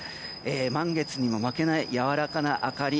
満月にも負けないやわらかな明かり。